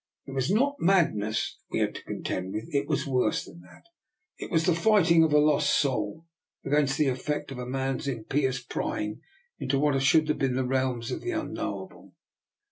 It was not mad ness we had to contend with; it was worse than that. It was the fighting of a lost soul against the effect of man's impious prying into what should have been the realms of the unknowable.